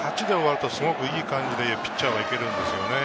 ８番で終わるとすごくいい感じでピッチャーはいけるんですよね。